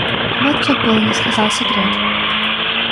Вот чуть было не сказал секрет!